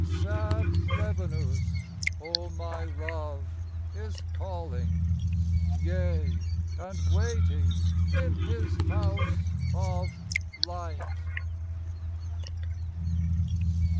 Sad Lebanus, O my Love, is calling, Yea, and waiting in his House of Light.